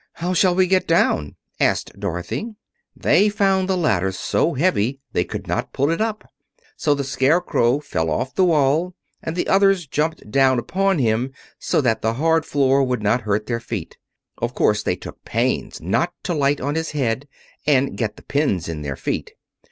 "How shall we get down?" asked Dorothy. They found the ladder so heavy they could not pull it up, so the Scarecrow fell off the wall and the others jumped down upon him so that the hard floor would not hurt their feet. Of course they took pains not to light on his head and get the pins in their feet.